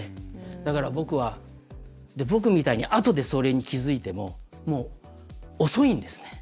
だから、僕みたいにあとでそれに気付いてももう、遅いんですね。